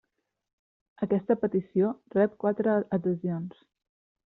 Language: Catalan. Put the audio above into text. Aquesta petició rep quatre adhesions.